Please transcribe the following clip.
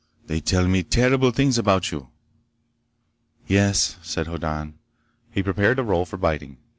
They tell me terrible things about you!" "Yes," said Hoddan. He prepared a roll for biting.